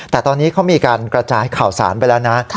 แต่ตอนนี้เขามีการกระจายข่าวสารไปแล้วนะ